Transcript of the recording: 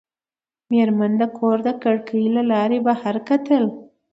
مېرمن د کور د کړکۍ له لارې بهر کتل.